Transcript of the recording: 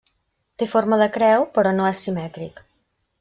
Té forma de creu, però no és simètric.